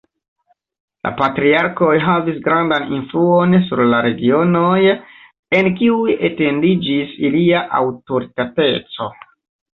La patriarkoj havis grandan influon sur la regionoj en kiuj etendiĝis ilia aŭtoritateco.